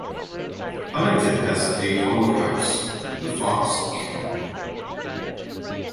Honington has a public house, the "Fox Inn".